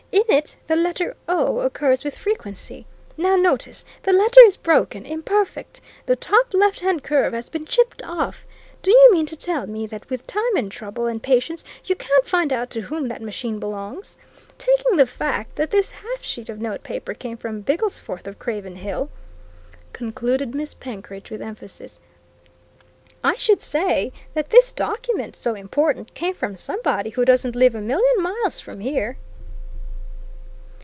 In it, the letter o occurs with frequency. Now, notice the letter is broken, imperfect; the top left hand curve has been chipped off. Do you mean to tell me that with time and trouble and patience you can't find out to whom that machine belongs? Taking the fact that this half sheet of notepaper came from Bigglesforth's, of Craven Hill," concluded Miss Penkridge with emphasis, "I should say that this document so important came from somebody who doesn't live a million miles from here!"